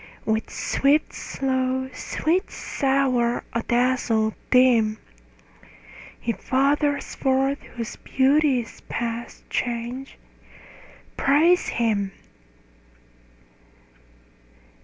With swift, slow; sweet, sour; adazzle, dim; He fathers forth whose beauty is past change: Praise him.